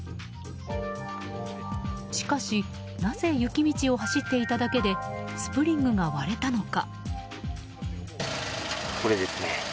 しかしなぜ雪道を走っていただけでスプリングが割れたのか。